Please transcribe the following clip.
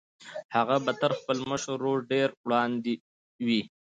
هغه به تر خپل مشر ورور ډېر وړاندې وي